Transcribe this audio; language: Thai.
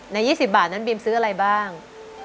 ๒๐บาทนั้นบีมซื้ออะไรบ้าง